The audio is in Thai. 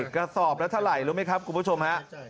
กระสอบละเท่าไหร่รู้ไหมครับคุณผู้ชมฮะ